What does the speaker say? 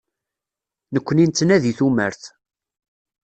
Nekkni nettnadi tumert.